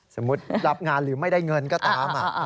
รับงานหรือไม่ได้เงินก็ตาม